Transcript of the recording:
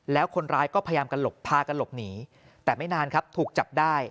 แล้วคนร้ายก็พยายามกันหลบพากันหลบหนีแต่ไม่นานครับถูกจับได้